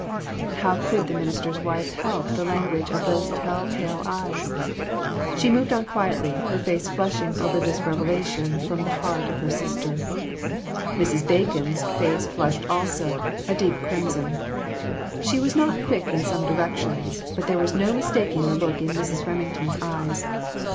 How could the minister's wife help the lan guage of those tell tale eyes ? She moved on quietly, her face flushing over this revelation from the heart of her sister. Mrs. Bacon's face flushed also, a deep crimson. She was not quick in some directions, but there was no mistaking the look in Mrs. Remington's eyes.